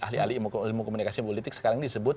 ahli ahli ilmu komunikasi politik sekarang disebut